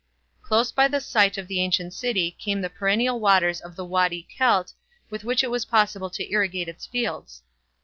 Close by the site of the ancient city came the perennial waters of the Wady Kelt with which it was possible to irrigate its fields.